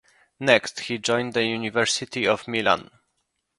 Next he joined the University of Milan.